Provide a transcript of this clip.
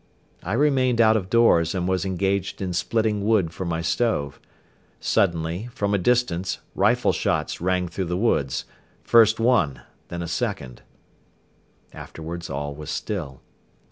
I remained out of doors and was engaged in splitting wood for my stove. Suddenly, from a distance, rifle shots rang through the woods, first one, then a second. Afterwards all was still.